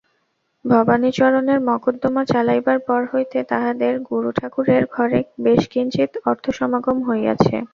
ভবাণীচরণের মকদ্দমা চালাইবার পর হইতে তাঁহাদের গুরূঠাকুরের ঘরে বেশ কিঞ্চিৎ অর্থাসমাগম হইয়াছে।